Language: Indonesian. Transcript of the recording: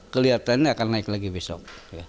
kelihatannya akan naik lagi besok